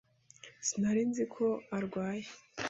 Sinari nzi ko arwaye.